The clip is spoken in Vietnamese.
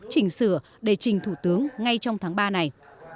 chỉnh sửa để trình thủ tướng ngay trong tháng ba này